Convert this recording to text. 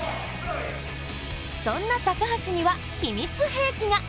そんな高橋には、秘密兵器が。